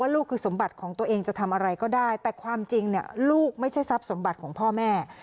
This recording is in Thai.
ลูกไม่ใช่ทรัพย์สมบัติของพ่อแม่